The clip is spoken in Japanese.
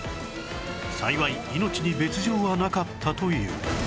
幸い命に別条はなかったという